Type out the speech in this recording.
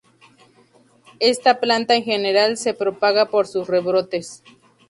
Esta planta en general se propaga por sus rebrotes.